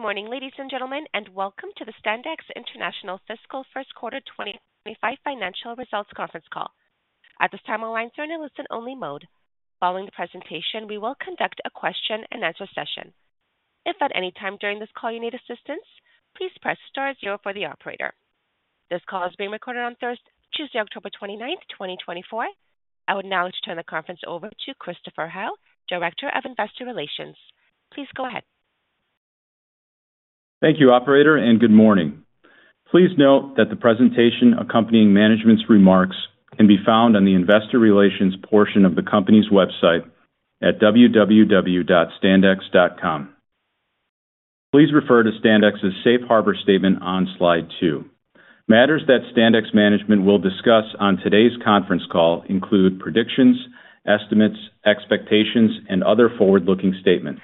Good morning, ladies and gentlemen, and welcome to the Standex International Fiscal First Quarter 2025 Financial Results Conference Call. At this time, our lines are in a listen-only mode. Following the presentation, we will conduct a question-and-answer session. If at any time during this call you need assistance, please press star zero for the operator. This call is being recorded on Tuesday, October 29th, 2024. I would now like to turn the conference over to Christopher Howe, Director of Investor Relations. Please go ahead. Thank you, Operator, and good morning. Please note that the presentation accompanying management's remarks can be found on the Investor Relations portion of the company's website at www.standex.com. Please refer to Standex's safe harbor statement on slide two. Matters that Standex management will discuss on today's conference call include predictions, estimates, expectations, and other forward-looking statements.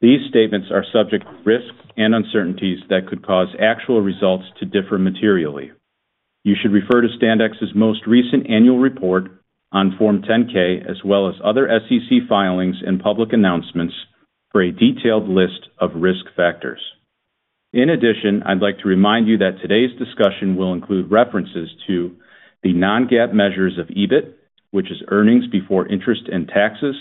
These statements are subject to risks and uncertainties that could cause actual results to differ materially. You should refer to Standex's most recent annual report on Form 10-K, as well as other SEC filings and public announcements for a detailed list of risk factors. In addition, I'd like to remind you that today's discussion will include references to the non-GAAP measures of EBIT, which is earnings before interest and taxes;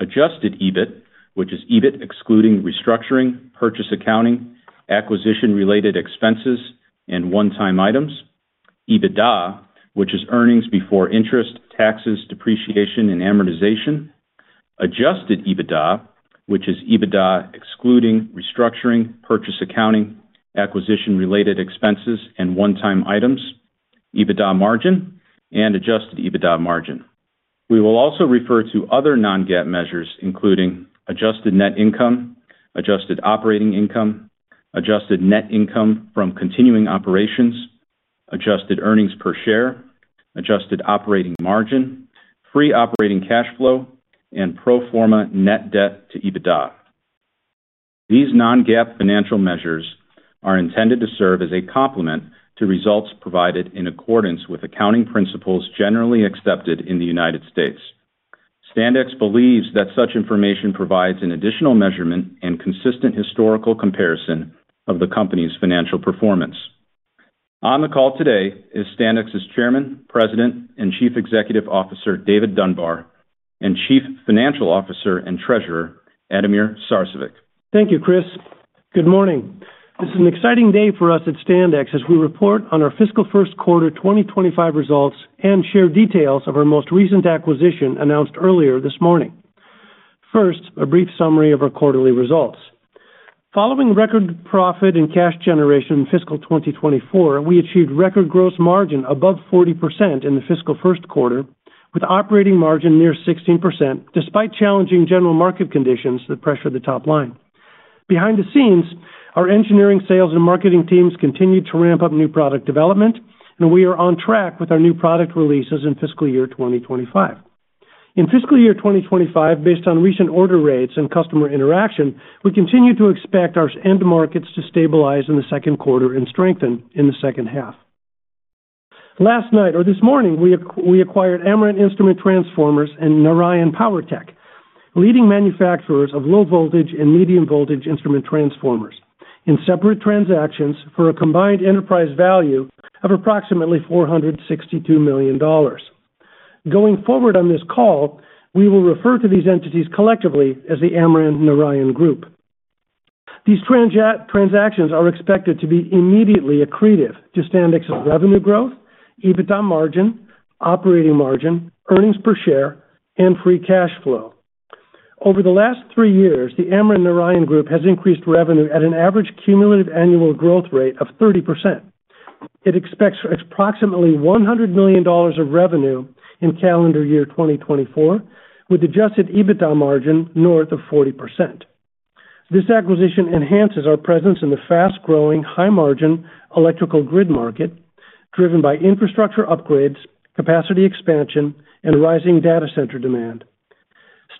adjusted EBIT, which is EBIT excluding restructuring, purchase accounting, acquisition-related expenses, and one-time items; EBITDA, which is earnings before interest, taxes, depreciation, and amortization; adjusted EBITDA, which is EBITDA excluding restructuring, purchase accounting, acquisition-related expenses, and one-time items; EBITDA margin; and adjusted EBITDA margin. We will also refer to other non-GAAP measures, including adjusted net income, adjusted operating income, adjusted net income from continuing operations, adjusted earnings per share, adjusted operating margin, free operating cash flow, and pro forma net debt to EBITDA. These non-GAAP financial measures are intended to serve as a complement to results provided in accordance with accounting principles generally accepted in the United States. Standex believes that such information provides an additional measurement and consistent historical comparison of the company's financial performance. On the call today is Standex's Chairman, President, and Chief Executive Officer, David Dunbar, and Chief Financial Officer and Treasurer, Ademir Sarcevic. Thank you, Chris. Good morning. This is an exciting day for us at Standex as we report on our fiscal first quarter 2025 results and share details of our most recent acquisition announced earlier this morning. First, a brief summary of our quarterly results. Following record profit and cash generation in fiscal 2024, we achieved record gross margin above 40% in the fiscal first quarter, with operating margin near 16%, despite challenging general market conditions that pressured the top line. Behind the scenes, our engineering, sales, and marketing teams continued to ramp up new product development, and we are on track with our new product releases in fiscal year 2025. In fiscal year 2025, based on recent order rates and customer interaction, we continue to expect our end markets to stabilize in the second quarter and strengthen in the second half. Last night, or this morning, we acquired Amran Instrument Transformers and Narayan PowerTech, leading manufacturers of low-voltage and medium-voltage instrument transformers, in separate transactions for a combined enterprise value of approximately $462 million. Going forward on this call, we will refer to these entities collectively as the Amran-Narayan Group. These transactions are expected to be immediately accretive to Standex's revenue growth, EBITDA margin, operating margin, earnings per share, and free cash flow. Over the last three years, the Amran-Narayan Group has increased revenue at an average cumulative annual growth rate of 30%. It expects approximately $100 million of revenue in calendar year 2024, with adjusted EBITDA margin north of 40%. This acquisition enhances our presence in the fast-growing, high-margin electrical grid market, driven by infrastructure upgrades, capacity expansion, and rising data center demand.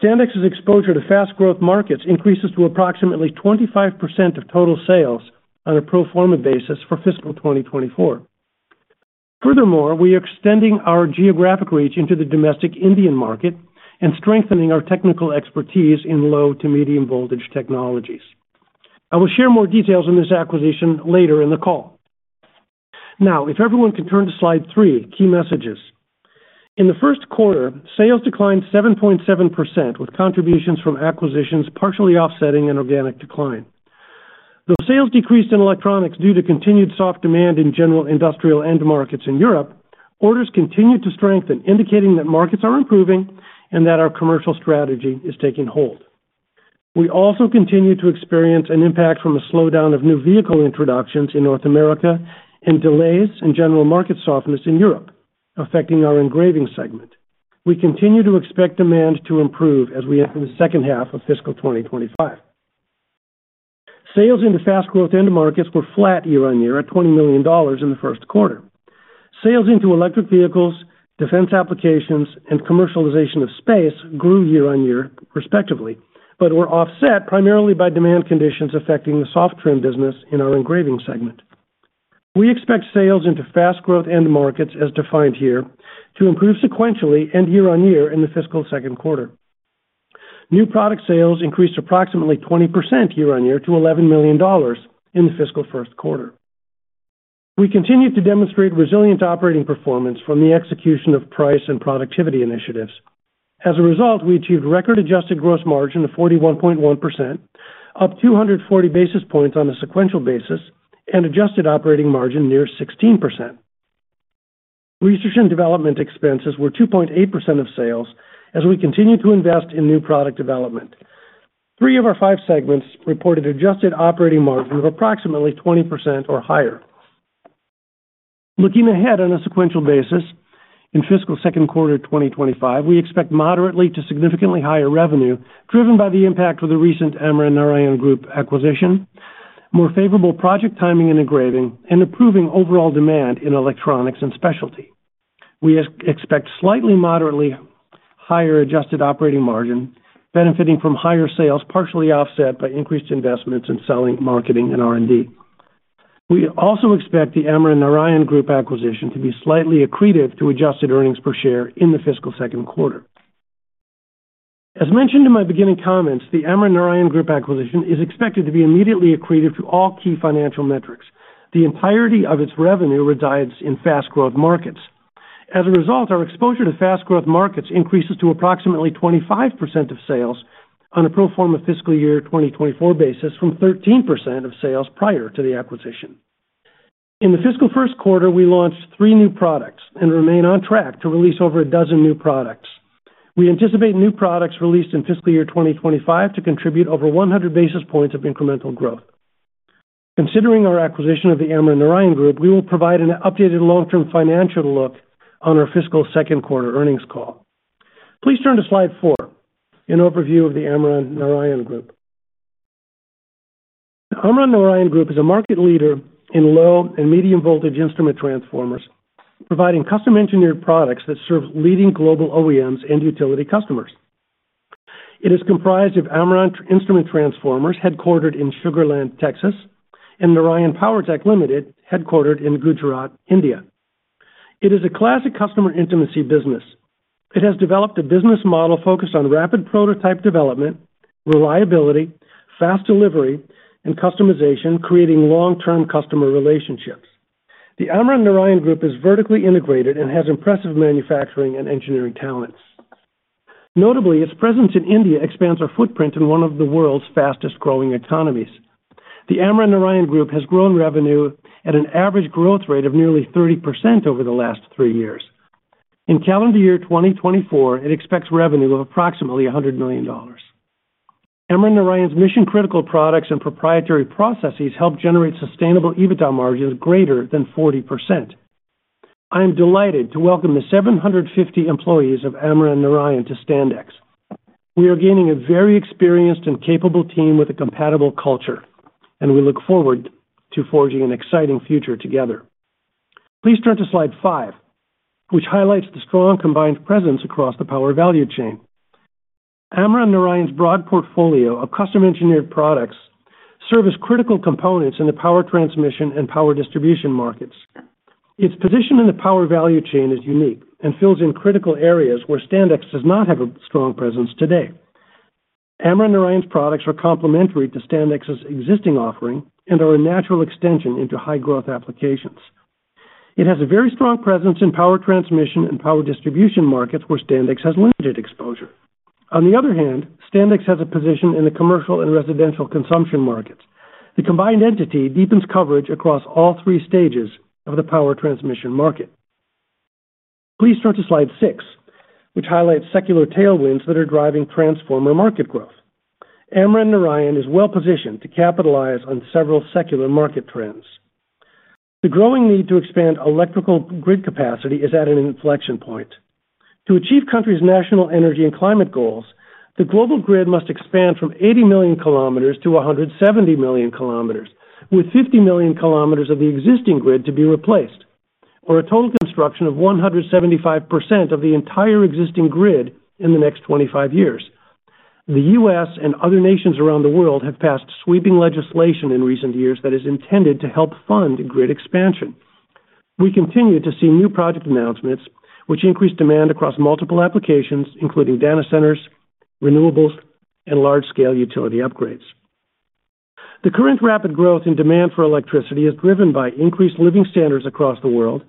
Standex's exposure to fast-growth markets increases to approximately 25% of total sales on a pro forma basis for fiscal 2024. Furthermore, we are extending our geographic reach into the domestic Indian market and strengthening our technical expertise in low-to-medium voltage technologies. I will share more details on this acquisition later in the call. Now, if everyone can turn to slide three, key messages. In the first quarter, sales declined 7.7%, with contributions from acquisitions partially offsetting an organic decline. Though sales decreased in electronics due to continued soft demand in general industrial end markets in Europe, orders continued to strengthen, indicating that markets are improving and that our commercial strategy is taking hold. We also continue to experience an impact from a slowdown of new vehicle introductions in North America and delays in general market softness in Europe, affecting our engraving segment. We continue to expect demand to improve as we enter the second half of fiscal 2025. Sales into fast-growth end markets were flat year-on-year at $20 million in the first quarter. Sales into electric vehicles, defense applications, and commercialization of space grew year-on-year, respectively, but were offset primarily by demand conditions affecting the soft trim business in our engraving segment. We expect sales into fast-growth end markets, as defined here, to improve sequentially and year-on-year in the fiscal second quarter. New product sales increased approximately 20% year-on-year to $11 million in the fiscal first quarter. We continue to demonstrate resilient operating performance from the execution of price and productivity initiatives. As a result, we achieved record-adjusted gross margin of 41.1%, up 240 basis points on a sequential basis, and adjusted operating margin near 16%. Research and development expenses were 2.8% of sales, as we continue to invest in new product development. Three of our five segments reported adjusted operating margin of approximately 20% or higher. Looking ahead on a sequential basis in fiscal second quarter 2025, we expect moderately to significantly higher revenue, driven by the impact of the recent Amran-Narayan Group acquisition, more favorable project timing and engraving, and improving overall demand in electronics and specialty. We expect slightly moderately higher adjusted operating margin, benefiting from higher sales partially offset by increased investments in selling, marketing, and R&D. We also expect the Amran-Narayan Group acquisition to be slightly accretive to adjusted earnings per share in the fiscal second quarter. As mentioned in my beginning comments, the Amran-Narayan Group acquisition is expected to be immediately accretive to all key financial metrics. The entirety of its revenue resides in fast-growth markets. As a result, our exposure to fast-growth markets increases to approximately 25% of sales on a pro forma fiscal year 2024 basis from 13% of sales prior to the acquisition. In the fiscal first quarter, we launched three new products and remain on track to release over a dozen new products. We anticipate new products released in fiscal year 2025 to contribute over 100 basis points of incremental growth. Considering our acquisition of the Amran-Narayan Group, we will provide an updated long-term financial look on our fiscal second quarter earnings call. Please turn to slide four, an overview of the Amran-Narayan Group. The Amran-Narayan Group is a market leader in low and medium voltage instrument transformers, providing custom-engineered products that serve leading global OEMs and utility customers. It is comprised of Amran Instrument Transformers, headquartered in Sugar Land, Texas, and Narayan PowerTech, Limited, headquartered in Gujarat, India. It is a classic customer intimacy business. It has developed a business model focused on rapid prototype development, reliability, fast delivery, and customization, creating long-term customer relationships. The Amran-Narayan Group is vertically integrated and has impressive manufacturing and engineering talents. Notably, its presence in India expands our footprint in one of the world's fastest-growing economies. The Amran-Narayan Group has grown revenue at an average growth rate of nearly 30% over the last three years. In calendar year 2024, it expects revenue of approximately $100 million. Amran-Narayan's mission-critical products and proprietary processes help generate sustainable EBITDA margins greater than 40%. I am delighted to welcome the 750 employees of Amran-Narayan to Standex. We are gaining a very experienced and capable team with a compatible culture, and we look forward to forging an exciting future together. Please turn to slide five, which highlights the strong combined presence across the power value chain. Amran-Narayan's broad portfolio of custom-engineered products serves as critical components in the power transmission and power distribution markets. Its position in the power value chain is unique and fills in critical areas where Standex does not have a strong presence today. Amran-Narayan's products are complementary to Standex's existing offering and are a natural extension into high-growth applications. It has a very strong presence in power transmission and power distribution markets where Standex has limited exposure. On the other hand, Standex has a position in the commercial and residential consumption markets. The combined entity deepens coverage across all three stages of the power transmission market. Please turn to slide six, which highlights secular tailwinds that are driving transformer market growth. Amran-Narayan is well-positioned to capitalize on several secular market trends. The growing need to expand electrical grid capacity is at an inflection point. To achieve countries' national energy and climate goals, the global grid must expand from 80 million kilometers to 170 million kilometers, with 50 million kilometers of the existing grid to be replaced, or a total construction of 175% of the entire existing grid in the next 25 years. The U.S. and other nations around the world have passed sweeping legislation in recent years that is intended to help fund grid expansion. We continue to see new project announcements which increase demand across multiple applications, including data centers, renewables, and large-scale utility upgrades. The current rapid growth in demand for electricity is driven by increased living standards across the world,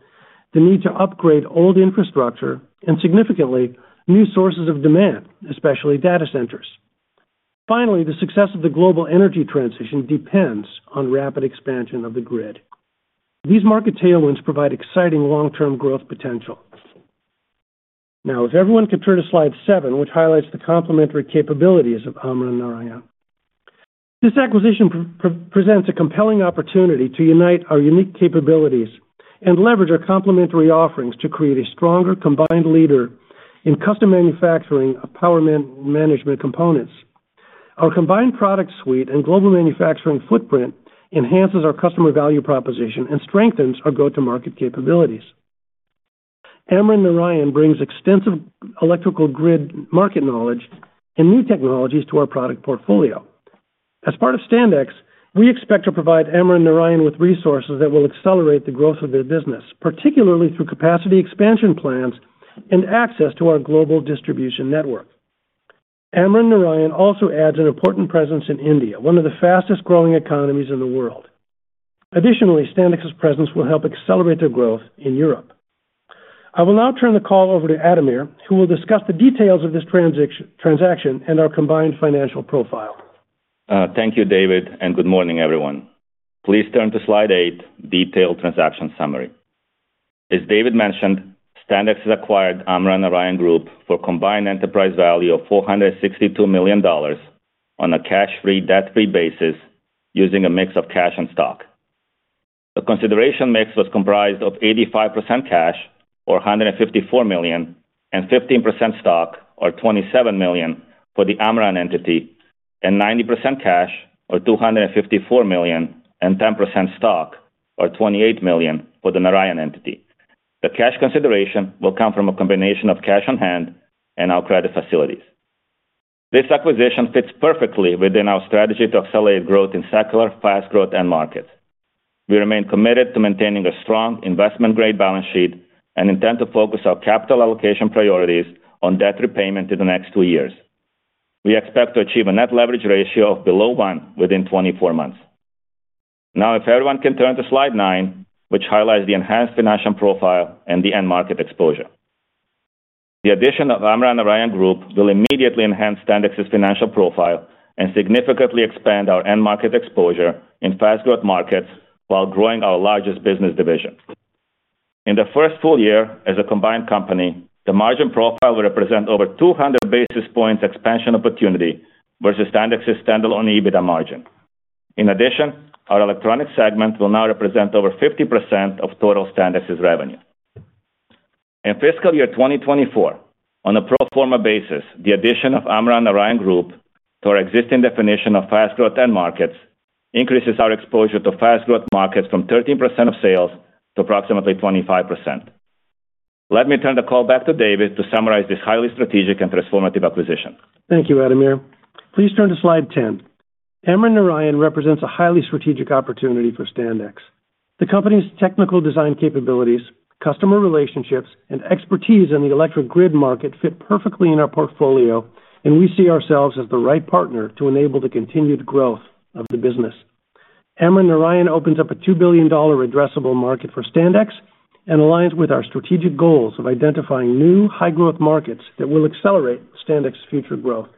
the need to upgrade old infrastructure, and significantly, new sources of demand, especially data centers. Finally, the success of the global energy transition depends on rapid expansion of the grid. These market tailwinds provide exciting long-term growth potential. Now, if everyone can turn to slide seven, which highlights the complementary capabilities of Amran-Narayan. This acquisition presents a compelling opportunity to unite our unique capabilities and leverage our complementary offerings to create a stronger combined leader in custom manufacturing of power management components. Our combined product suite and global manufacturing footprint enhances our customer value proposition and strengthens our go-to-market capabilities. Amran-Narayan brings extensive electrical grid market knowledge and new technologies to our product portfolio. As part of Standex, we expect to provide Amran-Narayan with resources that will accelerate the growth of their business, particularly through capacity expansion plans and access to our global distribution network. Amran-Narayan also adds an important presence in India, one of the fastest-growing economies in the world. Additionally, Standex's presence will help accelerate their growth in Europe. I will now turn the call over to Ademir, who will discuss the details of this transaction and our combined financial profile. Thank you, David, and good morning, everyone. Please turn to slide eight, detailed transaction summary. As David mentioned, Standex has acquired Amran-Narayan Group for a combined enterprise value of $462 million on a cash-free, debt-free basis using a mix of cash and stock. The consideration mix was comprised of 85% cash, or $154 million, and 15% stock, or $27 million, for the Amran entity, and 90% cash, or $254 million, and 10% stock, or $28 million, for the Narayan entity. The cash consideration will come from a combination of cash on hand and our credit facilities. This acquisition fits perfectly within our strategy to accelerate growth in secular, fast-growth end markets. We remain committed to maintaining a strong investment-grade balance sheet and intend to focus our capital allocation priorities on debt repayment in the next two years. We expect to achieve a net leverage ratio of below one within 24 months. Now, if everyone can turn to slide nine, which highlights the enhanced financial profile and the end market exposure. The addition of Amran-Narayan Group will immediately enhance Standex's financial profile and significantly expand our end market exposure in fast-growth markets while growing our largest business division. In the first full year as a combined company, the margin profile will represent over 200 basis points expansion opportunity versus Standex's standalone EBITDA margin. In addition, our electronics segment will now represent over 50% of total Standex's revenue. In fiscal year 2024, on a pro forma basis, the addition of Amran-Narayan Group to our existing definition of fast-growth end markets increases our exposure to fast-growth markets from 13% of sales to approximately 25%. Let me turn the call back to David to summarize this highly strategic and transformative acquisition. Thank you, Ademir. Please turn to slide 10. Amran-Narayan represents a highly strategic opportunity for Standex. The company's technical design capabilities, customer relationships, and expertise in the electric grid market fit perfectly in our portfolio, and we see ourselves as the right partner to enable the continued growth of the business. Amran-Narayan opens up a $2 billion addressable market for Standex and aligns with our strategic goals of identifying new high-growth markets that will accelerate Standex's future growth.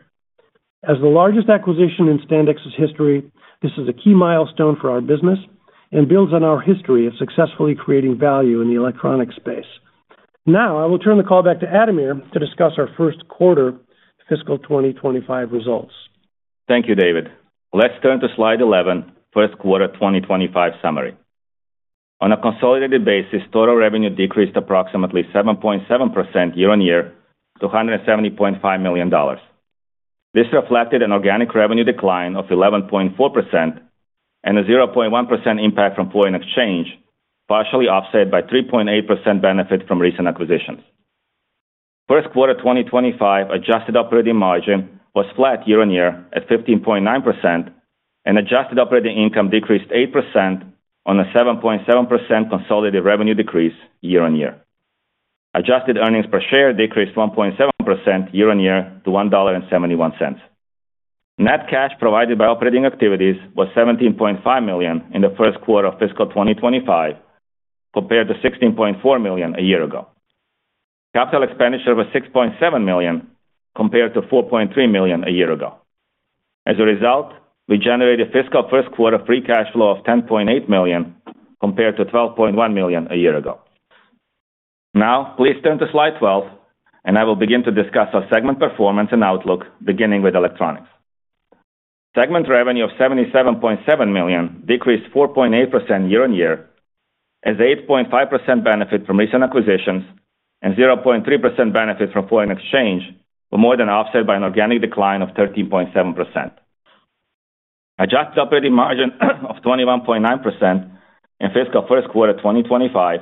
As the largest acquisition in Standex's history, this is a key milestone for our business and builds on our history of successfully creating value in the electronics space. Now, I will turn the call back to Ademir to discuss our first quarter fiscal 2025 results. Thank you, David. Let's turn to slide 11, first quarter 2025 summary. On a consolidated basis, total revenue decreased approximately 7.7% year-on-year to $170.5 million. This reflected an organic revenue decline of 11.4% and a 0.1% impact from foreign exchange, partially offset by 3.8% benefit from recent acquisitions. First quarter 2025 adjusted operating margin was flat year-on-year at 15.9%, and adjusted operating income decreased 8% on a 7.7% consolidated revenue decrease year-on-year. Adjusted earnings per share decreased 1.7% year-on-year to $1.71. Net cash provided by operating activities was $17.5 million in the first quarter of fiscal 2025, compared to $16.4 million a year ago. Capital expenditure was $6.7 million, compared to $4.3 million a year ago. As a result, we generated fiscal first quarter free cash flow of $10.8 million, compared to $12.1 million a year ago. Now, please turn to slide 12, and I will begin to discuss our segment performance and outlook, beginning with electronics. Segment revenue of $77.7 million decreased 4.8% year-on-year, as 8.5% benefit from recent acquisitions and 0.3% benefit from foreign exchange were more than offset by an organic decline of 13.7%. Adjusted operating margin of 21.9% in fiscal first quarter 2025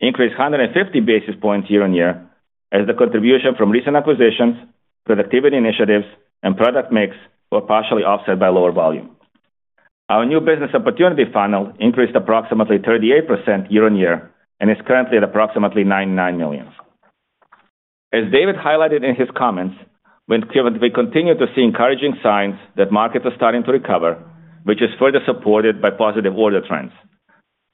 increased 150 basis points year-on-year, as the contribution from recent acquisitions, productivity initiatives, and product mix were partially offset by lower volume. Our new business opportunity funnel increased approximately 38% year-on-year and is currently at approximately $99 million. As David highlighted in his comments, we continue to see encouraging signs that markets are starting to recover, which is further supported by positive order trends.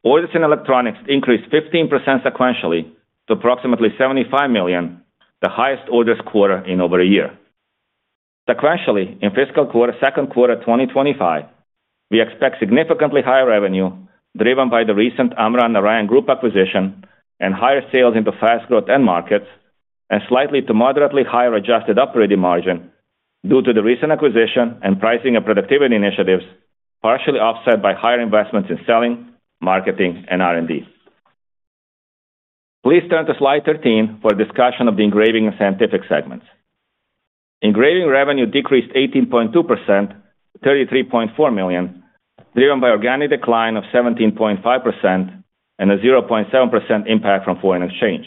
Orders in electronics increased 15% sequentially to approximately $75 million, the highest orders quarter in over a year. Sequentially, in fiscal quarter second quarter 2025, we expect significantly higher revenue driven by the recent Amran-Narayan Group acquisition and higher sales into fast-growth end markets, and slightly to moderately higher adjusted operating margin due to the recent acquisition and pricing of productivity initiatives, partially offset by higher investments in selling, marketing, and R&D. Please turn to slide 13 for a discussion of the engraving and scientific segments. Engraving revenue decreased 18.2% to $33.4 million, driven by organic decline of 17.5% and a 0.7% impact from foreign exchange.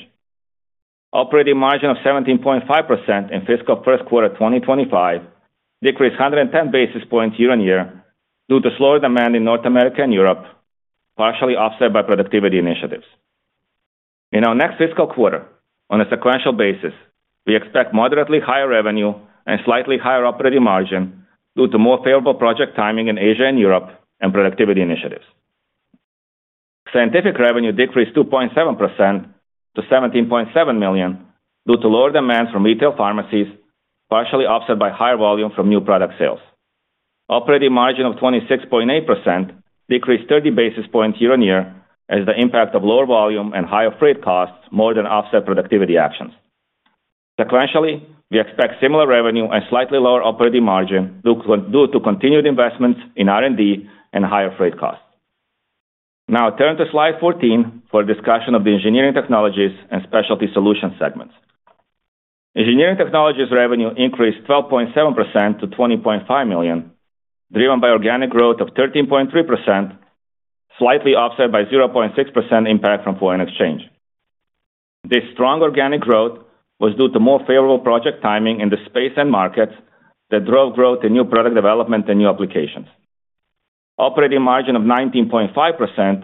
Operating margin of 17.5% in fiscal first quarter 2025 decreased 110 basis points year-on-year due to slower demand in North America and Europe, partially offset by productivity initiatives. In our next fiscal quarter, on a sequential basis, we expect moderately higher revenue and slightly higher operating margin due to more favorable project timing in Asia and Europe and productivity initiatives. Scientific revenue decreased 2.7% to $17.7 million due to lower demands from retail pharmacies, partially offset by higher volume from new product sales. Operating margin of 26.8% decreased 30 basis points year-on-year as the impact of lower volume and higher freight costs more than offset productivity actions. Sequentially, we expect similar revenue and slightly lower operating margin due to continued investments in R&D and higher freight costs. Now, turn to slide 14 for a discussion of the engineering technologies and specialty solutions segments. Engineering technologies revenue increased 12.7% to $20.5 million, driven by organic growth of 13.3%, slightly offset by 0.6% impact from foreign exchange. This strong organic growth was due to more favorable project timing in the space and markets that drove growth in new product development and new applications. Operating margin of 19.5%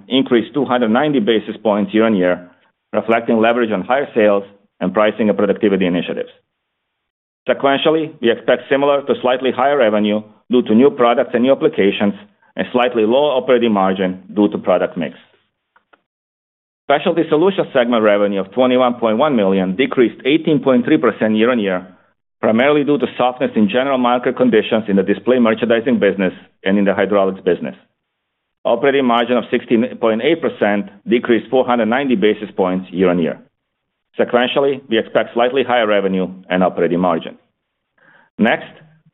increased 290 basis points year-on-year, reflecting leverage on higher sales and pricing of productivity initiatives. Sequentially, we expect similar to slightly higher revenue due to new products and new applications and slightly lower operating margin due to product mix. Specialty solutions segment revenue of $21.1 million decreased 18.3% year-on-year, primarily due to softness in general market conditions in the display merchandising business and in the hydraulics business. Operating margin of 16.8% decreased 490 basis points year-on-year. Sequentially, we expect slightly higher revenue and operating margin. Next,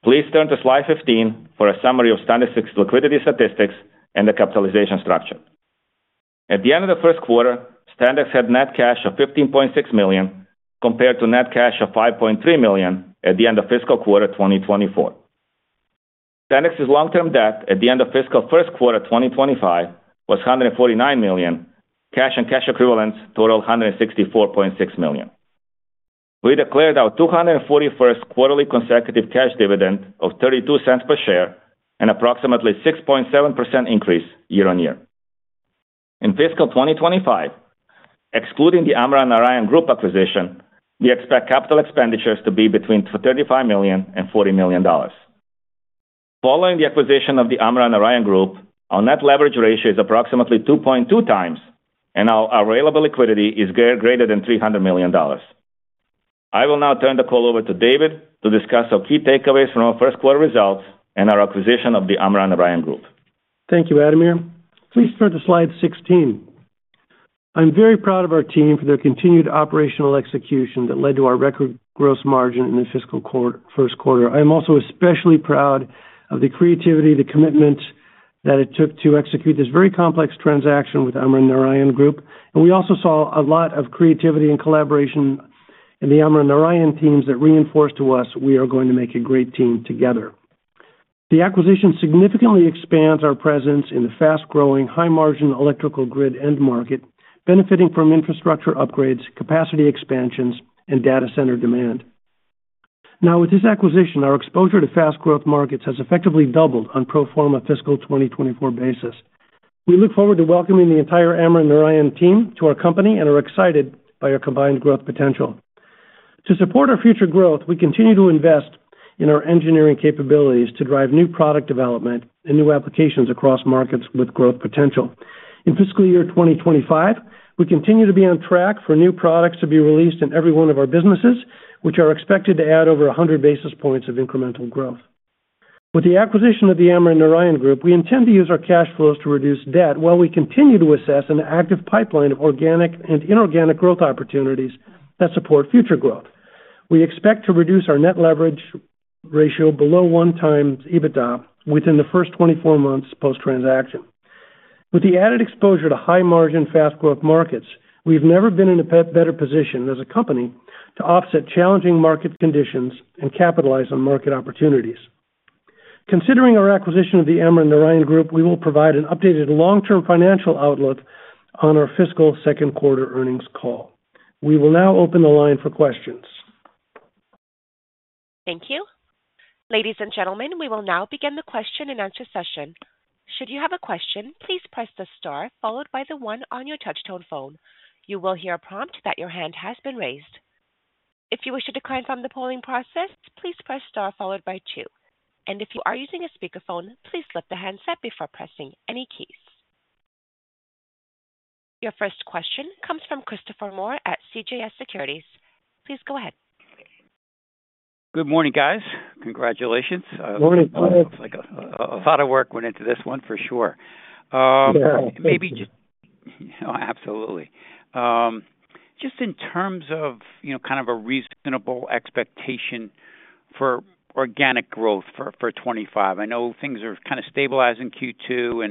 please turn to slide 15 for a summary of Standex's liquidity statistics and the capitalization structure. At the end of the first quarter, Standex had net cash of $15.6 million compared to net cash of $5.3 million at the end of fiscal quarter 2024. Standex's long-term debt at the end of fiscal first quarter 2025 was $149 million, cash and cash equivalents total $164.6 million. We declared our 241st quarterly consecutive cash dividend of $0.32 per share and approximately 6.7% increase year-on-year. In fiscal 2025, excluding the Amran-Narayan Group acquisition, we expect capital expenditures to be between $35-$40 million. Following the acquisition of the Amran-Narayan Group, our net leverage ratio is approximately 2.2 times, and our available liquidity is greater than $300 million. I will now turn the call over to David to discuss our key takeaways from our first quarter results and our acquisition of the Amran-Narayan Group. Thank you, Ademir. Please turn to slide 16. I'm very proud of our team for their continued operational execution that led to our record gross margin in the fiscal quarter first quarter. I am also especially proud of the creativity, the commitment that it took to execute this very complex transaction with Amran-Narayan Group, and we also saw a lot of creativity and collaboration in the Amran-Narayan teams that reinforced to us we are going to make a great team together. The acquisition significantly expands our presence in the fast-growing, high-margin electrical grid end market, benefiting from infrastructure upgrades, capacity expansions, and data center demand. Now, with this acquisition, our exposure to fast-growth markets has effectively doubled on pro forma fiscal 2024 basis. We look forward to welcoming the entire Amran-Narayan team to our company and are excited by our combined growth potential. To support our future growth, we continue to invest in our engineering capabilities to drive new product development and new applications across markets with growth potential. In fiscal year 2025, we continue to be on track for new products to be released in every one of our businesses, which are expected to add over 100 basis points of incremental growth. With the acquisition of the Amran-Narayan Group, we intend to use our cash flows to reduce debt while we continue to assess an active pipeline of organic and inorganic growth opportunities that support future growth. We expect to reduce our net leverage ratio below one times EBITDA within the first 24 months post-transaction. With the added exposure to high-margin, fast-growth markets, we've never been in a better position as a company to offset challenging market conditions and capitalize on market opportunities. Considering our acquisition of the Amran-Narayan Group, we will provide an updated long-term financial outlook on our fiscal second quarter earnings call. We will now open the line for questions. Thank you. Ladies and gentlemen, we will now begin the question and answer session. Should you have a question, please press the star followed by the one on your touchtone phone. You will hear a prompt that your hand has been raised. If you wish to decline from the polling process, please press star followed by two. And if you are using a speakerphone, please flip the handset before pressing any keys. Your first question comes from Christopher Moore at CJS Securities. Please go ahead. Good morning, guys. Congratulations. Good morning. A lot of work went into this one, for sure. Yes. Maybe just. Yes. Oh, absolutely. Just in terms of kind of a reasonable expectation for organic growth for 2025, I know things are kind of stabilizing Q2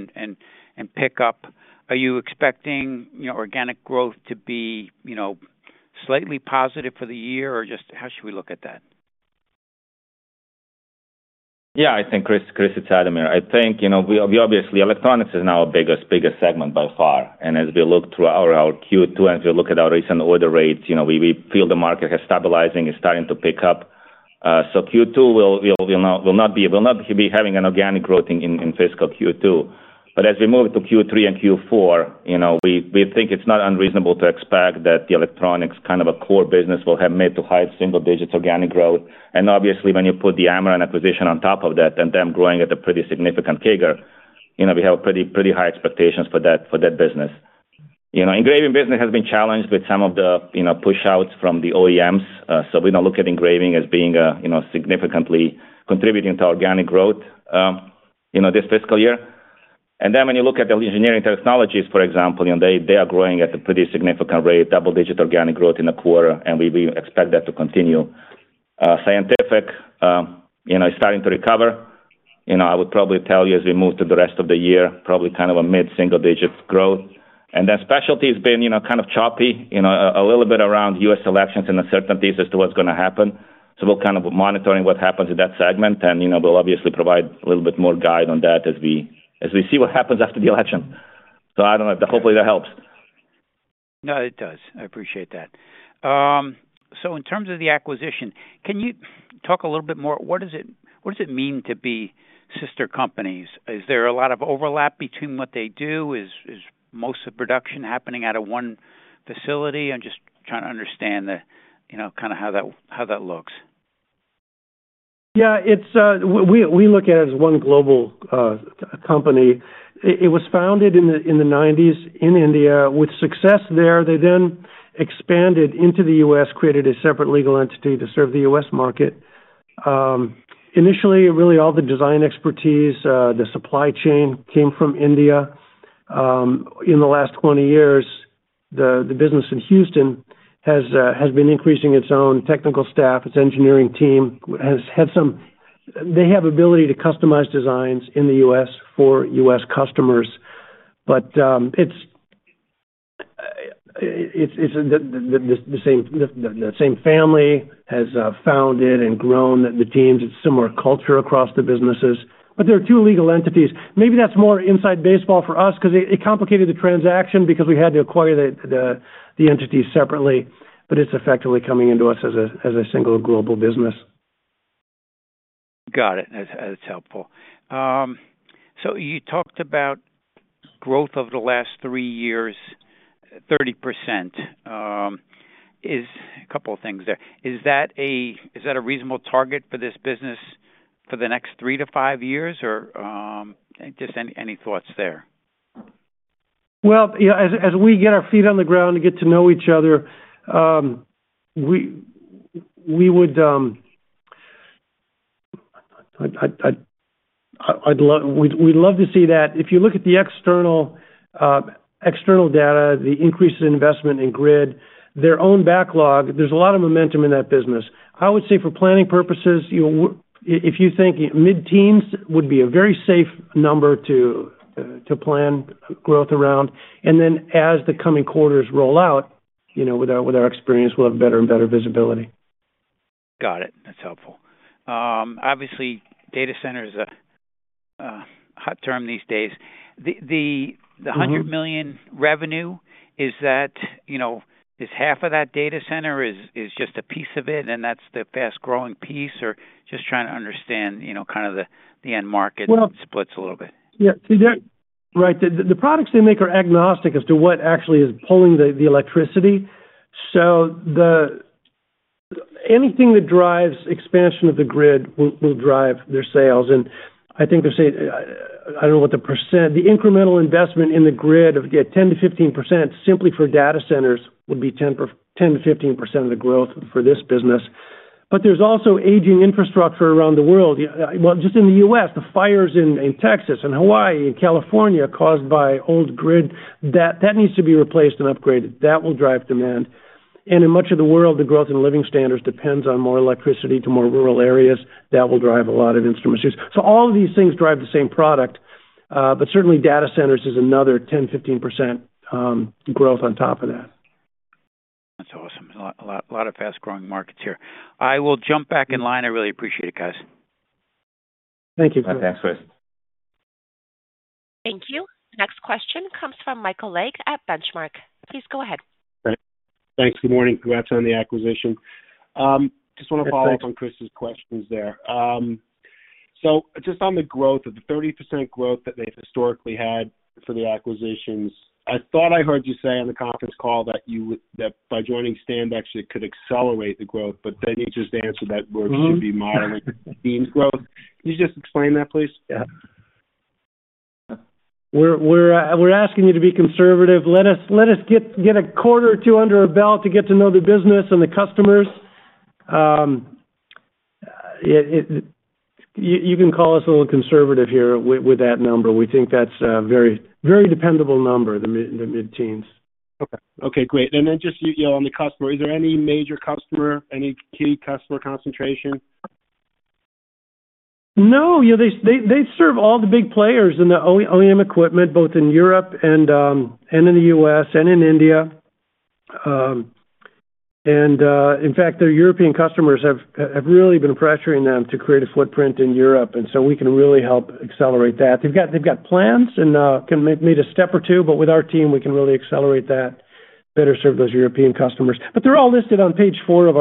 and pickup. Are you expecting organic growth to be slightly positive for the year, or just how should we look at that? Yeah, I think, Chris, it's Ademir. I think, obviously, electronics is now our biggest segment by far. And as we look through our Q2, as we look at our recent order rates, we feel the market is stabilizing, is starting to pick up. So Q2 will not be having an organic growth in fiscal Q2. But as we move to Q3 and Q4, we think it's not unreasonable to expect that the electronics kind of a core business will have mid- to high-single-digit organic growth. And obviously, when you put the Amran acquisition on top of that, and them growing at a pretty significant figure, we have pretty high expectations for that business. Engraving business has been challenged with some of the push-outs from the OEMs. So we don't look at engraving as being significantly contributing to organic growth this fiscal year. When you look at the Engineering Technologies, for example, they are growing at a pretty significant rate, double-digit organic growth in the quarter, and we expect that to continue. Scientific is starting to recover. I would probably tell you as we move to the rest of the year, probably kind of a mid-single-digit growth. Specialty has been kind of choppy a little bit around U.S. elections and uncertainties as to what's going to happen. We'll kind of monitor what happens in that segment, and we'll obviously provide a little bit more guide on that as we see what happens after the election. I don't know if hopefully that helps. No, it does. I appreciate that. So in terms of the acquisition, can you talk a little bit more? What does it mean to be sister companies? Is there a lot of overlap between what they do? Is most of production happening out of one facility? I'm just trying to understand kind of how that looks. Yeah, we look at it as one global company. It was founded in the 1990s in India with success there. They then expanded into the U.S., created a separate legal entity to serve the U.S. market. Initially, really all the design expertise, the supply chain came from India. In the last 20 years, the business in Houston has been increasing its own technical staff, its engineering team. They have ability to customize designs in the U.S. for U.S. customers. But the same family has founded and grown the teams. It's similar culture across the businesses. But there are two legal entities. Maybe that's more inside baseball for us because it complicated the transaction because we had to acquire the entities separately. But it's effectively coming into us as a single global business. Got it. That's helpful. So you talked about growth over the last three years, 30%. A couple of things there. Is that a reasonable target for this business for the next three to five years, or just any thoughts there? As we get our feet on the ground and get to know each other, we would love to see that. If you look at the external data, the increase in investment in grid, their own backlog, there's a lot of momentum in that business. I would say for planning purposes, if you think mid-teens would be a very safe number to plan growth around. As the coming quarters roll out, with our experience, we'll have better and better visibility. Got it. That's helpful. Obviously, data center is a hot term these days. The $100 million revenue, is half of that data center or is just a piece of it, and that's the fast-growing piece, or just trying to understand kind of the end market splits a little bit? Yeah. Right. The products they make are agnostic as to what actually is pulling the electricity. So anything that drives expansion of the grid will drive their sales, and I think they're saying, I don't know what the percent, the incremental investment in the grid of 10%-15% simply for data centers would be 10%-15% of the growth for this business. But there's also aging infrastructure around the world. Just in the U.S., the fires in Texas and Hawaii and California caused by old grid, that needs to be replaced and upgraded. That will drive demand, and in much of the world, the growth in living standards depends on more electricity to more rural areas. That will drive a lot of instruments, so all of these things drive the same product. Certainly, data centers is another 10%-15% growth on top of that. That's awesome. A lot of fast-growing markets here. I will jump back in line. I really appreciate it, guys. Thank you. Thanks, Chris. Thank you. Next question comes from Michael Legg at Benchmark. Please go ahead. Thanks. Good morning. Congrats on the acquisition. Just want to follow up on Chris's questions there. So just on the growth, the 30% growth that they've historically had for the acquisitions, I thought I heard you say on the conference call that by joining Standex it could accelerate the growth, but then you just answered that we should be modeling team growth. Can you just explain that, please? Yeah. We're asking you to be conservative. Let us get a quarter or two under our belt to get to know the business and the customers. You can call us a little conservative here with that number. We think that's a very dependable number, the mid-teens. Okay. Okay. Great. And then just on the customer, is there any major customer, any key customer concentration? No. They serve all the big players in the OEM equipment, both in Europe and in the U.S. and in India. And in fact, their European customers have really been pressuring them to create a footprint in Europe. And so we can really help accelerate that. They've got plans and can maybe a step or two, but with our team, we can really accelerate that, better serve those European customers. But they're all listed on page four of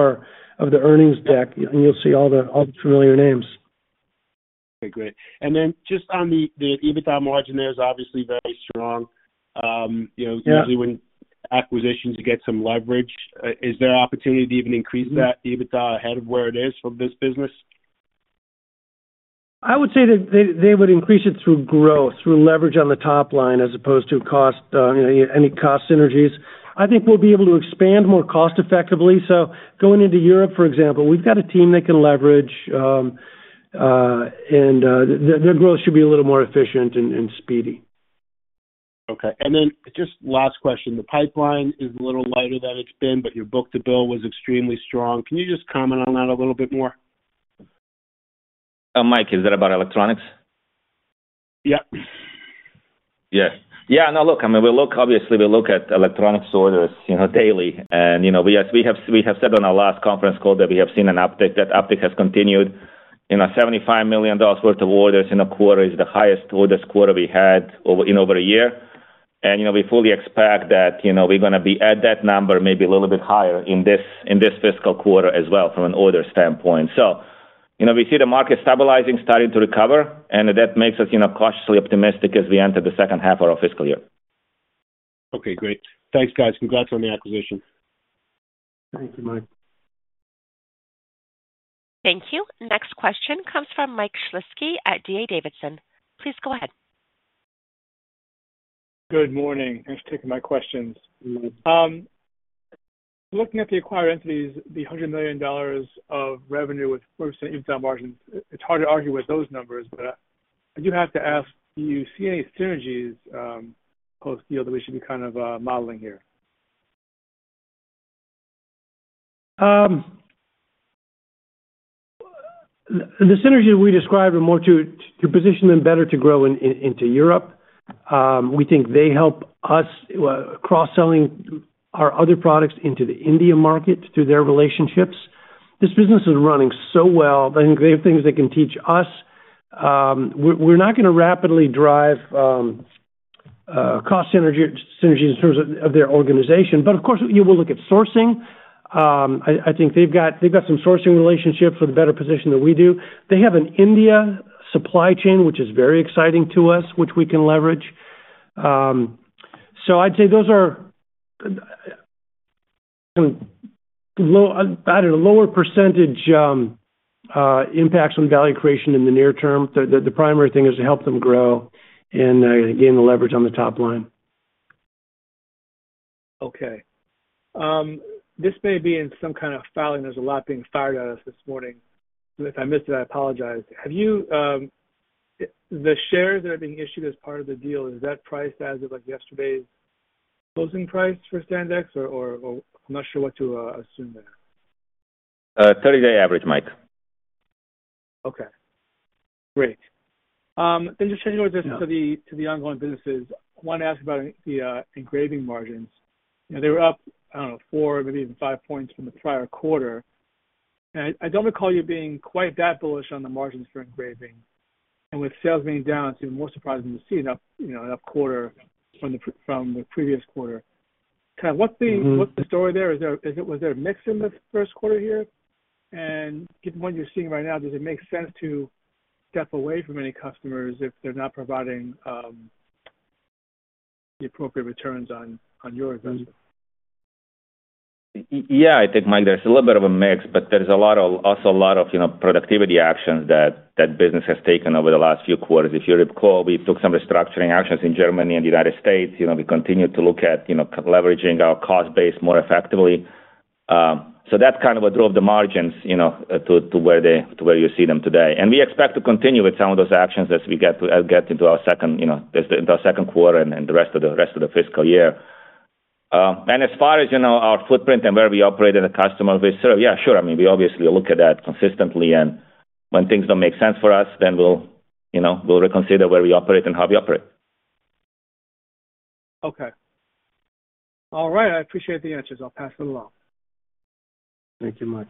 the earnings deck, and you'll see all the familiar names. Okay. Great. And then just on the EBITDA margin, there's obviously very strong. Usually, when acquisitions get some leverage, is there opportunity to even increase that EBITDA ahead of where it is for this business? I would say that they would increase it through growth, through leverage on the top line as opposed to any cost synergies. I think we'll be able to expand more cost-effectively. So going into Europe, for example, we've got a team that can leverage, and their growth should be a little more efficient and speedy. Okay, and then just last question. The pipeline is a little lighter than it's been, but your book-to-bill was extremely strong. Can you just comment on that a little bit more? Mike, is that about electronics? Yeah. Yes. Yeah. No, look, I mean, obviously, we look at electronics orders daily. And we have said on our last conference call that we have seen an uptick. That uptick has continued. $75 million worth of orders in a quarter is the highest orders quarter we had in over a year. And we fully expect that we're going to be at that number, maybe a little bit higher in this fiscal quarter as well from an order standpoint. So we see the market stabilizing, starting to recover. And that makes us cautiously optimistic as we enter the second half of our fiscal year. Okay. Great. Thanks, guys. Congrats on the acquisition. Thank you, Mike. Thank you. Next question comes from Mike Shlisky at D.A. Davidson. Please go ahead. Good morning. Thanks for taking my questions. Looking at the acquired entities, the $100 million of revenue with 40% EBITDA margins, it's hard to argue with those numbers. But I do have to ask, do you see any synergies post-deal that we should be kind of modeling here? The synergy we described are more to position them better to grow into Europe. We think they help us cross-selling our other products into the Indian market through their relationships. This business is running so well. I think they have things they can teach us. We're not going to rapidly drive cost synergies in terms of their organization. But of course, we will look at sourcing. I think they've got some sourcing relationships with a better position than we do. They have an India supply chain, which is very exciting to us, which we can leverage. So I'd say those are, I don't know, lower percentage impacts on value creation in the near term. The primary thing is to help them grow and, again, leverage on the top line. Okay. This may be in some kind of filing. There's a lot being fired at us this morning. If I missed it, I apologize. The shares that are being issued as part of the deal, is that priced as of yesterday's closing price for Standex, or I'm not sure what to assume there? 30-day average, Mike. Okay. Great. Then just changing over to the ongoing businesses, I want to ask about the engraving margins. They were up, I don't know, four, maybe even five points from the prior quarter. And I don't recall you being quite that bullish on the margins for engraving. And with sales being down, it's even more surprising to see an up quarter from the previous quarter. Kind of what's the story there? Was there a mix in the first quarter here? And given what you're seeing right now, does it make sense to step away from any customers if they're not providing the appropriate returns on your investment? Yeah. I think, Mike, there's a little bit of a mix, but there's also a lot of productivity actions that business has taken over the last few quarters. If you recall, we took some restructuring actions in Germany and the United States. We continued to look at leveraging our cost base more effectively. So that kind of drove the margins to where you see them today. And we expect to continue with some of those actions as we get into our second quarter and the rest of the fiscal year. And as far as our footprint and where we operate and the customer we serve, yeah, sure. I mean, we obviously look at that consistently. And when things don't make sense for us, then we'll reconsider where we operate and how we operate. Okay. All right. I appreciate the answers. I'll pass it along. Thank you, Mike.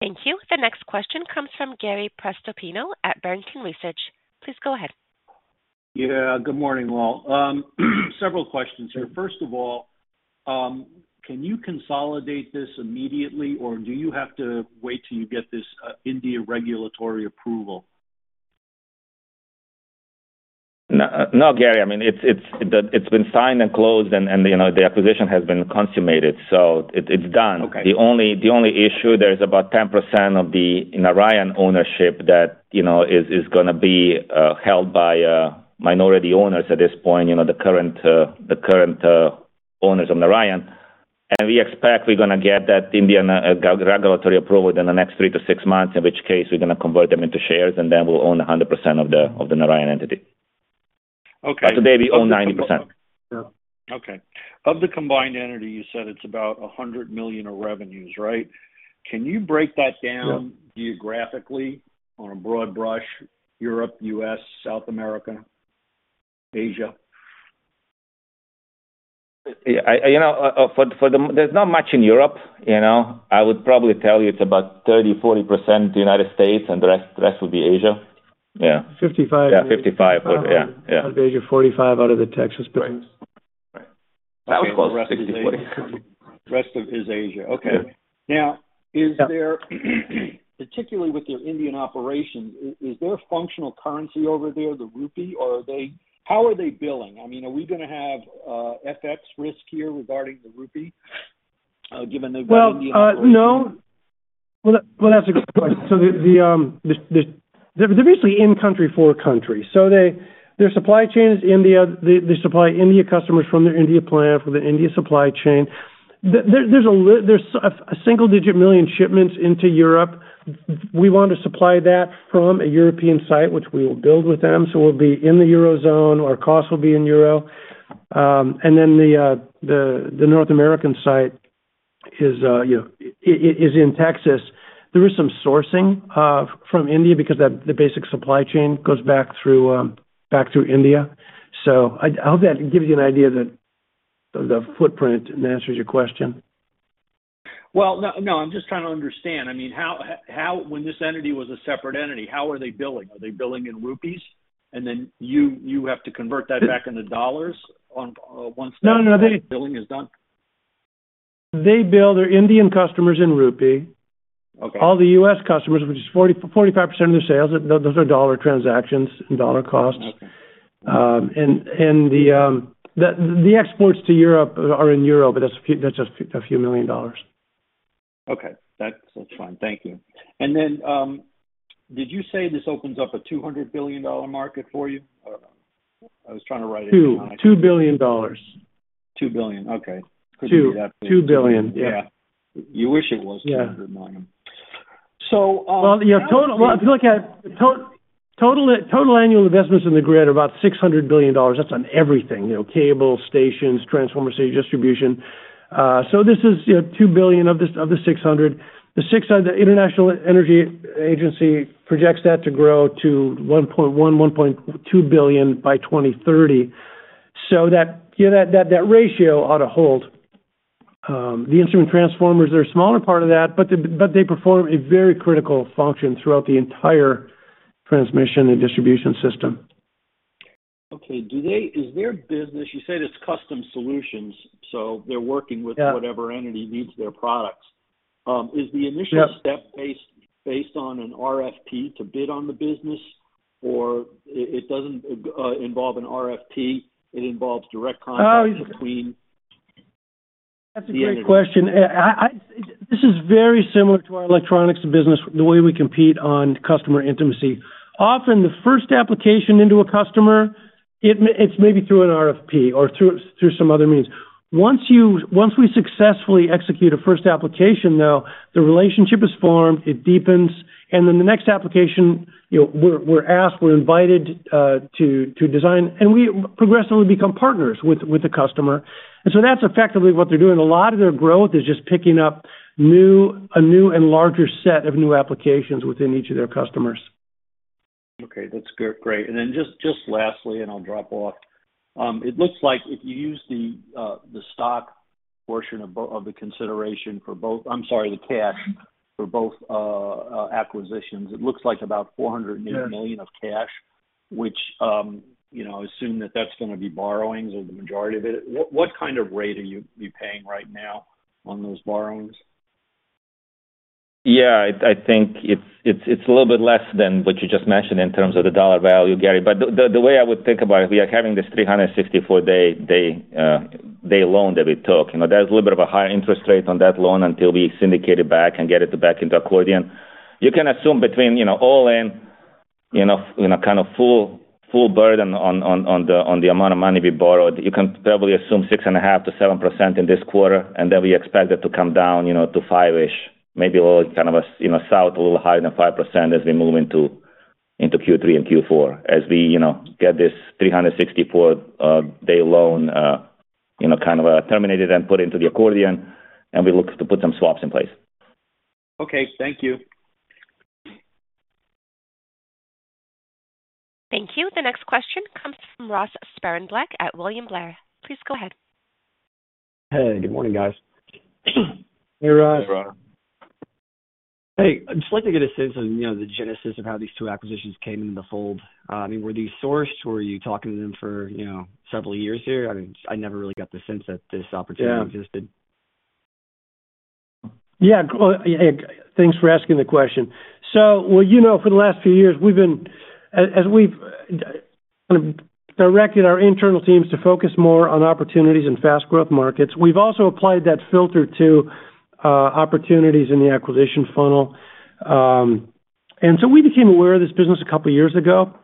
Thank you. The next question comes from Gary Prestopino at Barrington Research. Please go ahead. Yeah. Good morning, all. Several questions here. First of all, can you consolidate this immediately, or do you have to wait till you get this India regulatory approval? No, Gary. I mean, it's been signed and closed, and the acquisition has been consummated. So it's done. The only issue, there's about 10% of the Narayan ownership that is going to be held by minority owners at this point, the current owners of Narayan. And we expect we're going to get that Indian regulatory approval within the next three to six months, in which case we're going to convert them into shares, and then we'll own 100% of the Narayan entity. But today, we own 90%. Okay. Of the combined entity, you said it's about $100 million of revenues, right? Can you break that down geographically on a broad brush? Europe, U.S., South America, Asia? For there, there's not much in Europe. I would probably tell you it's about 30%-40% United States, and the rest would be Asia. Yeah. 55. Yeah, 55. Yeah. Yeah. Out of Asia, 45 out of the Texas business. Right. Right. That was close. 60, 40. The rest of it is Asia. Okay. Now, particularly with your Indian operations, is there functional currency over there, the rupee, or how are they billing? I mean, are we going to have FX risk here regarding the rupee, given the way India operates? No. That's a good question. They're basically in-country foreign countries. Their supply chain is India. They supply India customers from their India plant for the India supply chain. There's a single-digit million shipments into Europe. We want to supply that from a European site, which we will build with them. We'll be in the Eurozone. Our cost will be in euro. The North American site is in Texas. There is some sourcing from India because the basic supply chain goes back through India. I hope that gives you an idea of the footprint and answers your question. Well, no, I'm just trying to understand. I mean, when this entity was a separate entity, how are they billing? Are they billing in rupees, and then you have to convert that back into dollars once that billing is done? They bill their Indian customers in rupee. All the U.S. customers, which is 45% of their sales, those are dollar transactions and dollar costs. And the exports to Europe are in euro, but that's a few million dollars. Okay. That's fine. Thank you. And then did you say this opens up a $200 billion market for you? I was trying to write it down. Two. $2 billion. $2 billion. Okay. Could be that big. $2 billion. Yeah. You wish it was 200 million. Yeah. Total annual investments in the grid are about $600 billion. That's on everything: cable, stations, transformers, distribution. So this is 2 billion of the 600. The International Energy Agency projects that to grow to 1.1-1.2 billion by 2030. So that ratio ought to hold. The instrument transformers, they're a smaller part of that, but they perform a very critical function throughout the entire transmission and distribution system. Okay. Is their business, you said it's custom solutions, so they're working with whatever entity needs their products, is the initial step based on an RFP to bid on the business, or it doesn't involve an RFP? It involves direct contact between? That's a great question. This is very similar to our electronics business, the way we compete on customer intimacy. Often, the first application into a customer, it's maybe through an RFP or through some other means. Once we successfully execute a first application, though, the relationship is formed, it deepens, and then the next application, we're asked, we're invited to design, and we progressively become partners with the customer. And so that's effectively what they're doing. A lot of their growth is just picking up a new and larger set of new applications within each of their customers. Okay. That's great. And then just lastly, and I'll drop off, it looks like if you use the stock portion of the consideration for both, I'm sorry, the cash for both acquisitions, it looks like about $480 million of cash, which assume that that's going to be borrowings or the majority of it. What kind of rate are you paying right now on those borrowings? Yeah. I think it's a little bit less than what you just mentioned in terms of the dollar value, Gary. But the way I would think about it, we are having this 364-day loan that we took. There's a little bit of a higher interest rate on that loan until we syndicate it back and get it back into accordion. You can assume between all in, kind of full burden on the amount of money we borrowed, you can probably assume 6.5%-7% in this quarter, and then we expect it to come down to 5-ish, maybe a little kind of a south, a little higher than 5% as we move into Q3 and Q4 as we get this 364-day loan kind of terminated and put into the accordion, and we look to put some swaps in place. Okay. Thank you. Thank you. The next question comes from Ross Sparenblek at William Blair. Please go ahead. Hey. Good morning, guys. Hey, Ross. Hey, Ross. Hey. I'd just like to get a sense of the genesis of how these two acquisitions came into the fold. I mean, were these sourced? Were you talking to them for several years here? I mean, I never really got the sense that this opportunity existed. Yeah. Thanks for asking the question. So for the last few years, as we've directed our internal teams to focus more on opportunities in fast-growth markets, we've also applied that filter to opportunities in the acquisition funnel. And so we became aware of this business a couple of years ago.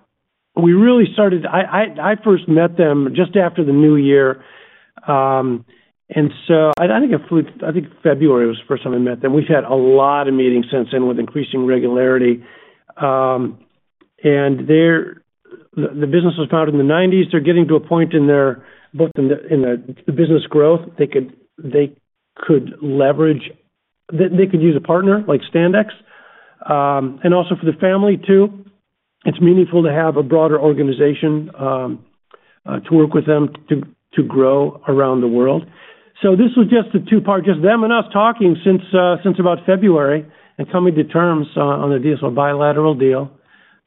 I first met them just after the new year. And so I think in February, it was the first time I met them. We've had a lot of meetings since then with increasing regularity. And the business was founded in the '90s. They're getting to a point in their both in the business growth, they could leverage they could use a partner like Standex. And also for the family, too, it's meaningful to have a broader organization to work with them to grow around the world. So this was just a two-party, just them and us talking since about February and coming to terms on a deal, so a bilateral deal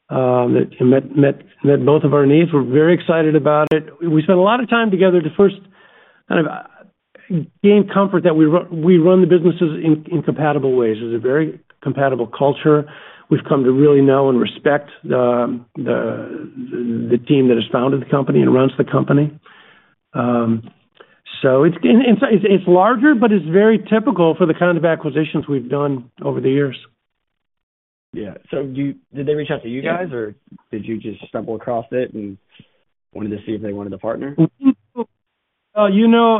that met both of our needs. We're very excited about it. We spent a lot of time together to first kind of gain comfort that we run the businesses in compatible ways. There's a very compatible culture. We've come to really know and respect the team that has founded the company and runs the company. So it's larger, but it's very typical for the kind of acquisitions we've done over the years. Yeah. So did they reach out to you guys, or did you just stumble across it and wanted to see if they wanted a partner? Well, you know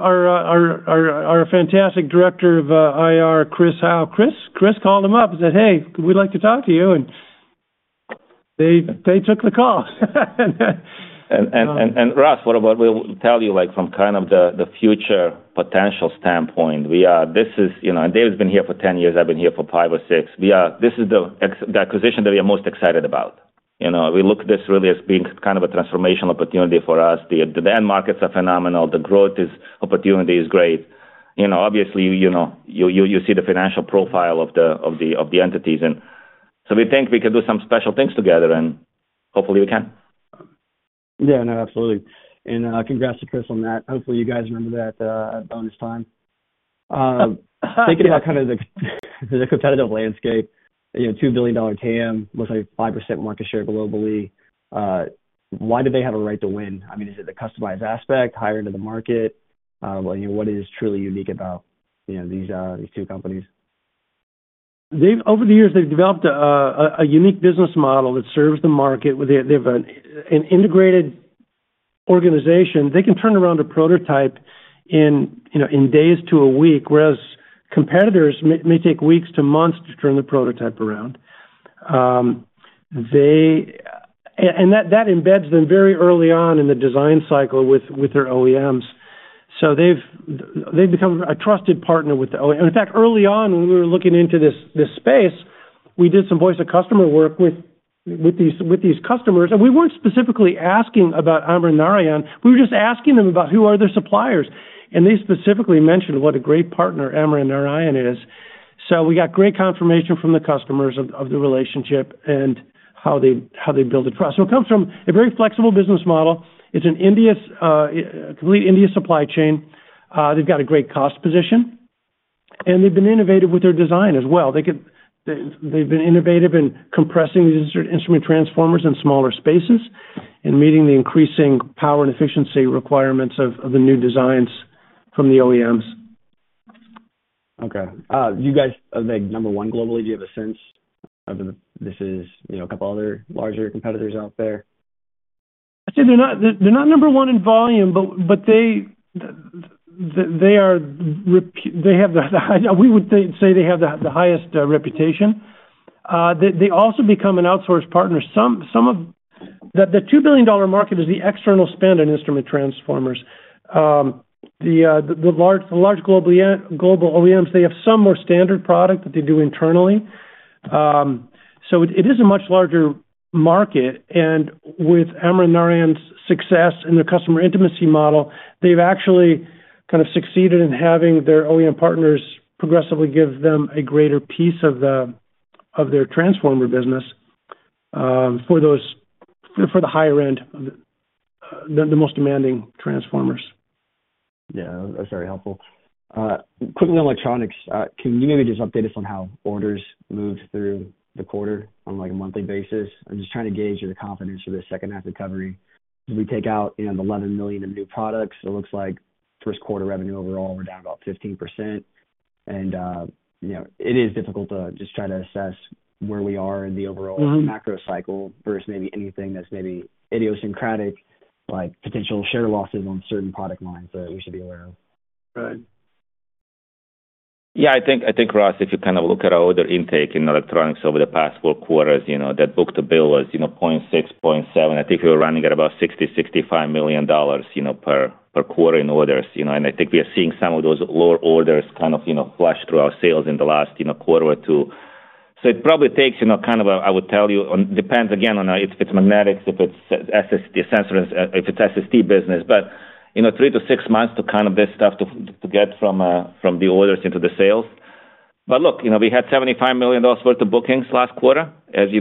our fantastic director of IR, Chris Howe. Chris called them up and said, "Hey, we'd like to talk to you." And they took the call. Ross, we'll tell you from kind of the future potential standpoint. This is, and David's been here for 10 years. I've been here for five or six. This is the acquisition that we are most excited about. We look at this really as being kind of a transformational opportunity for us. The end markets are phenomenal. The growth opportunity is great. Obviously, you see the financial profile of the entities. And so we think we can do some special things together, and hopefully, we can. Yeah. No, absolutely. And congrats to Chris on that. Hopefully, you guys remember that bonus time. Thinking about kind of the competitive landscape, $2 billion TAM, looks like 5% market share globally. Why do they have a right to win? I mean, is it the customized aspect, higher into the market? What is truly unique about these two companies? Over the years, they've developed a unique business model that serves the market. They have an integrated organization. They can turn around a prototype in days to a week, whereas competitors may take weeks to months to turn the prototype around, and that embeds them very early on in the design cycle with their OEMs. So they've become a trusted partner with the OEM. In fact, early on, when we were looking into this space, we did some Voice of the customer work with these customers, and we weren't specifically asking about Amran-Narayan. We were just asking them about who are their suppliers, and they specifically mentioned what a great partner Amran-Narayan is, so we got great confirmation from the customers of the relationship and how they build a trust, so it comes from a very flexible business model. It's a complete India supply chain. They've got a great cost position. They've been innovative with their design as well. They've been innovative in compressing these instrument transformers in smaller spaces and meeting the increasing power and efficiency requirements of the new designs from the OEMs. Okay. You guys are number one globally. Do you have a sense of this? Is a couple of other larger competitors out there? I'd say they're not number one in volume, but they have the—we would say they have the highest reputation. They also become an outsourced partner. The $2 billion market is the external spend on instrument transformers. The large global OEMs, they have some more standard product that they do internally. So it is a much larger market. And with Amran-Narayan's success in their customer intimacy model, they've actually kind of succeeded in having their OEM partners progressively give them a greater piece of their transformer business for the higher end of the most demanding transformers. Yeah. That's very helpful. Quickly, electronics, can you maybe just update us on how orders move through the quarter on a monthly basis? I'm just trying to gauge your confidence for this second-half recovery. As we take out the $11 million of new products, it looks like first quarter revenue overall, we're down about 15%. And it is difficult to just try to assess where we are in the overall macro cycle versus maybe anything that's maybe idiosyncratic, like potential share losses on certain product lines that we should be aware of. Right. Yeah. I think, Ross, if you kind of look at our order intake in electronics over the past four quarters, that book-to-bill was 0.6, 0.7. I think we were running at about $60-65 million per quarter in orders. And I think we are seeing some of those lower orders kind of flush through our sales in the last quarter or two. So it probably takes kind of a. I would tell you it depends, again, on if it's magnetics, if it's SST business. But three to six months to kind of this stuff to get from the orders into the sales. But look, we had $75 million worth of bookings last quarter. As you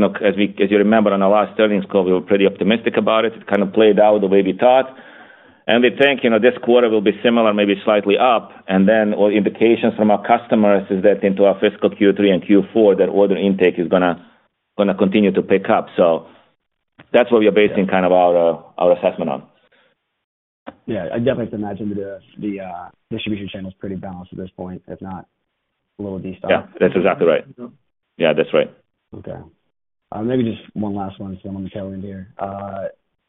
remember, on our last earnings call, we were pretty optimistic about it. It kind of played out the way we thought. And we think this quarter will be similar, maybe slightly up. And then our indications from our customers is that into our fiscal Q3 and Q4, that order intake is going to continue to pick up. So that's what we are basing kind of our assessment on. Yeah. I definitely can imagine the distribution channel is pretty balanced at this point, if not a little de-stocked. Yeah. That's exactly right. Yeah. That's right. Okay. Maybe just one last one to someone in the tail end here.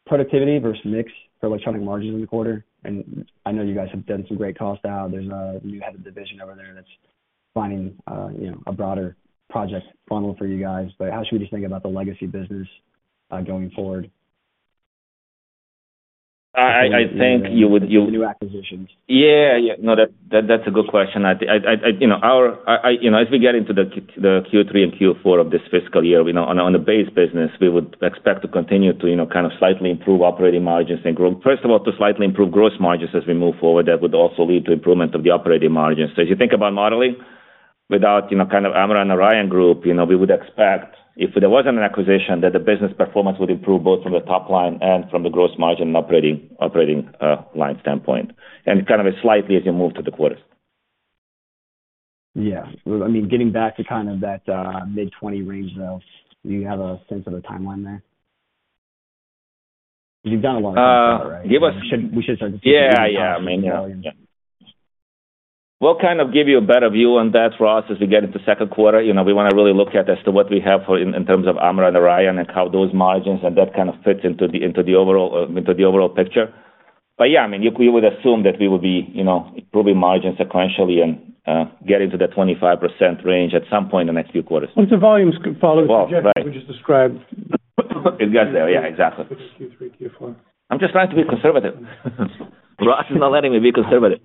Productivity versus mix for electronic margins in the quarter? And I know you guys have done some great cost out. There's a new head of division over there that's finding a broader project funnel for you guys. But how should we just think about the legacy business going forward? I think you would. New acquisitions. Yeah. Yeah. No, that's a good question. I think as we get into the Q3 and Q4 of this fiscal year, on the base business, we would expect to continue to kind of slightly improve operating margins and growth. First of all, to slightly improve gross margins as we move forward. That would also lead to improvement of the operating margins. So as you think about modeling without kind of Amran-Narayan Group, we would expect if there wasn't an acquisition that the business performance would improve both from the top line and from the gross margin and operating line standpoint. And kind of slightly as you move to the quarters. Yeah. I mean, getting back to kind of that mid-20 range though, do you have a sense of the timeline there? Because you've done a long time for that, right? Give us. We should start to see it. Yeah. Yeah. I mean, yeah. What kind of give you a better view on that, Ross, as we get into second quarter? We want to really look at as to what we have in terms of Amran-Narayan and how those margins and that kind of fits into the overall picture. But yeah, I mean, you would assume that we would be improving margins sequentially and get into the 25% range at some point in the next few quarters. Once the volumes follow the trajectory we just described. It gets there. Yeah. Exactly. Q3, Q4. I'm just trying to be conservative. Ross is not letting me be conservative.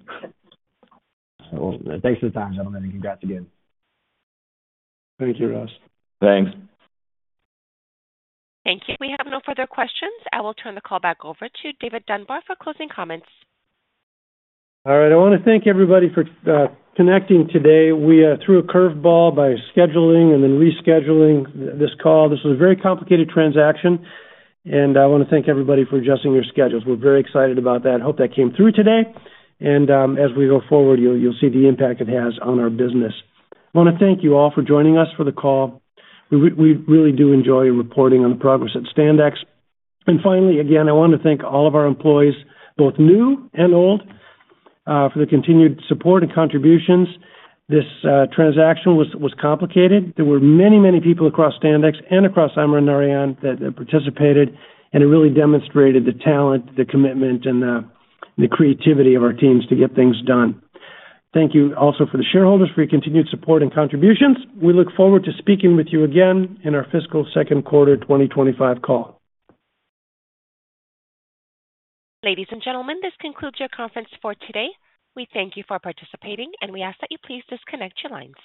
Thanks for the time, gentlemen. Congrats again. Thank you, Ross. Thanks. Thank you. We have no further questions. I will turn the call back over to David Dunbar for closing comments. All right. I want to thank everybody for connecting today. We threw a curveball by scheduling and then rescheduling this call. This was a very complicated transaction, and I want to thank everybody for adjusting your schedules. We're very excited about that. Hope that came through today, and as we go forward, you'll see the impact it has on our business. I want to thank you all for joining us for the call. We really do enjoy reporting on the progress at Standex, and finally, again, I want to thank all of our employees, both new and old, for the continued support and contributions. This transaction was complicated. There were many, many people across Standex and across Amran-Narayan that participated, and it really demonstrated the talent, the commitment, and the creativity of our teams to get things done. Thank you also for the shareholders for your continued support and contributions. We look forward to speaking with you again in our fiscal second quarter 2025 call. Ladies and gentlemen, this concludes your conference for today. We thank you for participating, and we ask that you please disconnect your lines.